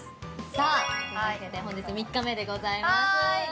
さあ、というわけで本日３日目でございます。